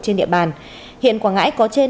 trên địa bàn hiện quảng ngãi có trên